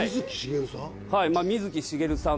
水木しげるさん？